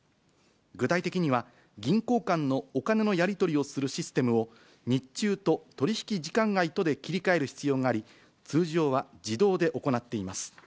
具体的には、銀行間のお金のやり取りをするシステムを、日中と取り引き時間外とで切り替える必要があり、通常は自動で行っています。